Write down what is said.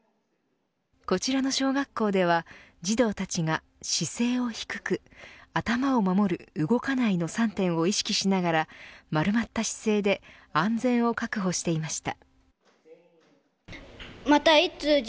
こちらの小学校では、児童たちが姿勢を低く頭を守る、動かないの３点を意識しながら丸まった姿勢で安全を確保していました。